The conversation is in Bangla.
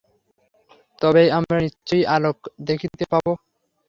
তবেই আমরা নিশ্চয়ই আলোক দেখিতে পাইব।